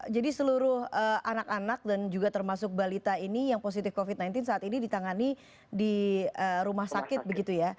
jadi seluruh anak anak dan juga termasuk balita ini yang positif covid sembilan belas saat ini ditangani di rumah sakit begitu ya